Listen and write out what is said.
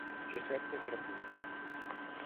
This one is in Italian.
Giuseppe Trabucchi